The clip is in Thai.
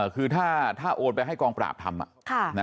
คือถ้าโอนไปให้กองปราบทำ